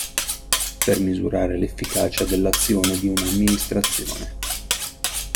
Per misurare l'efficacia dell'azione di una amministrazione.